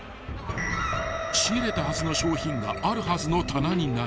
［仕入れたはずの商品があるはずの棚にない］